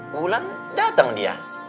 wulan datang dia